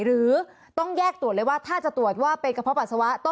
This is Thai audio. หรือต้องแยกตรวจเลยว่าถ้าจะตรวจว่าเป็นกระเพาะปัสสาวะ